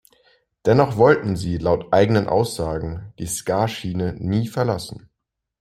Dennoch wollten sie, laut eigenen Aussagen, die Ska-Schiene nie verlassen.